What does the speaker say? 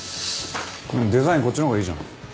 でもデザインこっちの方がいいじゃん。